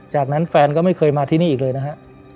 จากนั้นแฟนก็ไม่เคยมาที่นี่อีกเลยนะฮะ